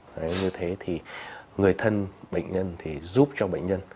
đấy như thế thì người thân bệnh nhân thì giúp cho bệnh nhân